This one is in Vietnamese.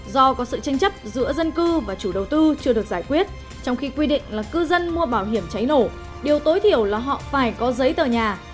do có sự tranh chấp giữa dân cư và chủ đầu tư chưa được giải quyết trong khi quy định là cư dân mua bảo hiểm cháy nổ điều tối thiểu là họ phải có giấy tờ nhà